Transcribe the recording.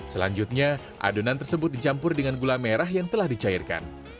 selanjutnya adonan tersebut dicampur dengan gula merah yang telah dicairkan